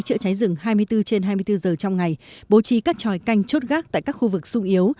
chữa cháy rừng hai mươi bốn trên hai mươi bốn giờ trong ngày bố trí các tròi canh chốt gác tại các khu vực sung yếu